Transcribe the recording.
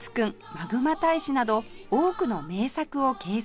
『マグマ大使』など多くの名作を掲載